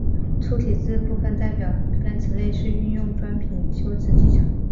粗体字部分代表该词类是运用转品修辞技巧。